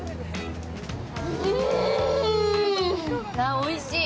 おいしい！